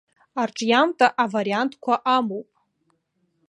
Арҿиамҭа авариантқәа амоуп.